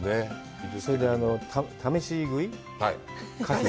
それで試し食い、牡蠣。